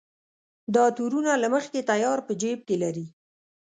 دا تورونه له مخکې تیار په جېب کې لري.